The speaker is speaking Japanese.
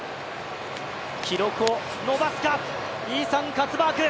記録を伸ばすか、イーサン・カツバーグ。